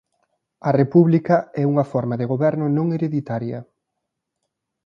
A república é unha forma de goberno non hereditaria.